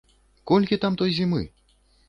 Колькі там той зімы?